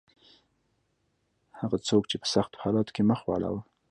هغه څوک چې په سختو حالاتو کې مخ واړاوه.